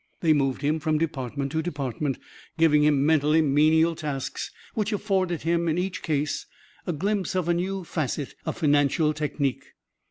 They moved him from department to department, giving him mentally menial tasks which afforded him in each case a glimpse of a new facet of financial technique.